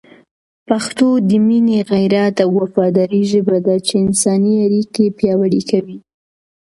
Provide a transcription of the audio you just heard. پښتو د مینې، غیرت او وفادارۍ ژبه ده چي انساني اړیکي پیاوړې کوي.